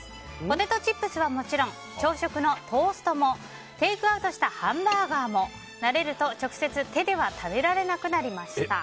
ポテトチップスはもちろん朝食のトーストもテイクアウトしたハンバーガーも慣れると直接、手では食べられなくなりました。